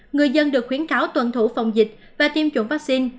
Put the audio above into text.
người dân được khuyến cáo tuần thủ phòng dịch và tiêm chủng vaccine